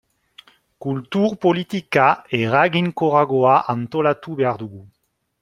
Kultur politika eraginkorragoa antolatu behar dugu.